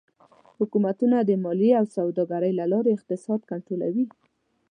حکومتونه د مالیې او سوداګرۍ له لارې اقتصاد کنټرولوي.